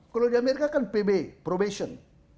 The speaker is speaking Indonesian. kalau di amerika kan pb probation